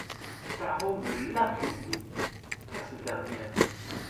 Taro veut l'affronter car ce dernier l'a trahi.